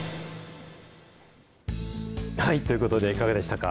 ということで、いかがでしたか。